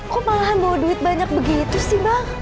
kok malahan bawa duit banyak begitu sih bang